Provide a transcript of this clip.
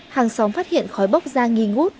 hàng xóm phát hiện khói bốc da nghi ngút